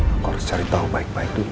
aku harus cari tahu baik baik dulu